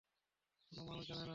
কোন মানুষ জানে না।